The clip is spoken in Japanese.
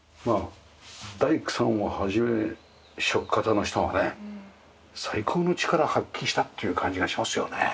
大工さんをはじめ職方の人がね最高の力を発揮したっていう感じがしますよね。